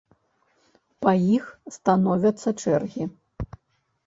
І па іх становяцца чэргі.